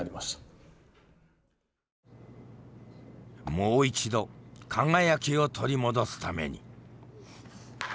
もう一度輝きを取り戻すために。